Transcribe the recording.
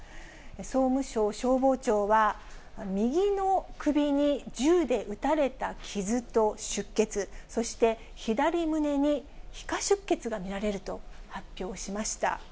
総務省消防庁は、右の首に銃で撃たれた傷と出血、そして左胸に皮下出血が見られると発表しました。